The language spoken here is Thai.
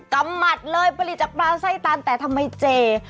กรรมัติเลยเปรตปลาไส้ตัลแต่ทำไมเจ